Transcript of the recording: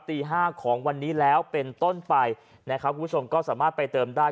ตีห้าของวันนี้แล้วเป็นต้นไปนะครับคุณผู้ชมก็สามารถไปเติมได้